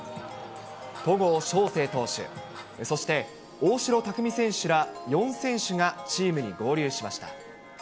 戸郷翔征投手、そして大城卓三選手ら４選手がチームに合流しました。